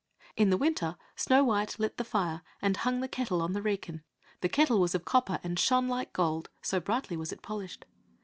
In the winter Snow white lit the fire and hung the kettle on the wrekin. The kettle was of copper and shone like gold, so brightly was it polished.